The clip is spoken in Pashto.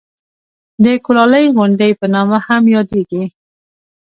د کولالۍ غونډۍ په نامه هم یادېږي.